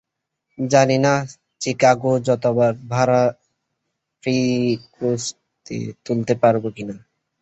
জানি না, চিকাগো যাবার ভাড়া ফ্রিস্কোতে তুলতে পারব কিনা।